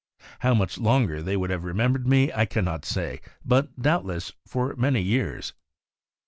How much longer they would have remembered me I can not say, but doubtless for many years.